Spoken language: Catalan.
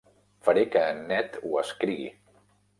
Faré que en Ned ho escrigui.